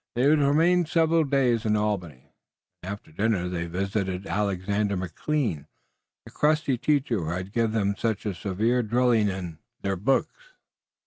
They were to remain several days in Albany, and after dinner they visited Alexander McLean, the crusty teacher who had given them such a severe drilling in their books.